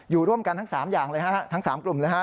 อยู่ร่วมกันทั้ง๓อย่างเลยฮะทั้ง๓กลุ่มเลยฮะ